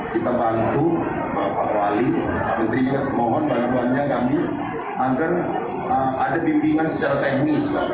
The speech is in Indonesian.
kita bantu pak wali menteri mohon banyak banyak kami agar ada bimbingan secara teknis